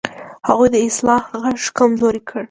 هغوی د اصلاح غږ کمزوری کړ.